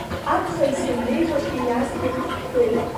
Аԥхын саннеиуа иназгап ҳәоуп.